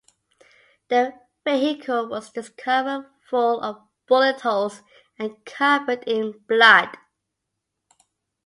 The vehicle was discovered full of bullet holes and covered in blood.